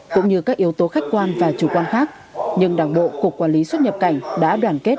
cũng như các yếu tố khách quan và chủ quan khác nhưng đảng bộ cục quản lý xuất nhập cảnh đã đoàn kết